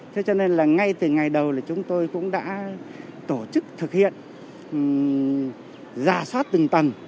thế cho nên là ngay từ ngày đầu là chúng tôi cũng đã tổ chức thực hiện giả soát từng tầng